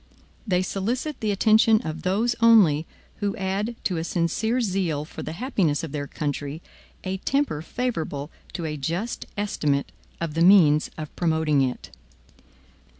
They solicit the attention of those only, who add to a sincere zeal for the happiness of their country, a temper favorable to a just estimate of the means of promoting it.